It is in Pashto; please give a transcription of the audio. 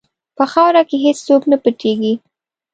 په خاوره کې هېڅ څوک نه پټیږي.